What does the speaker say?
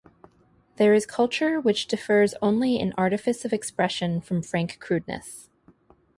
There is culture which differs only in artifice of expression from frank crudeness.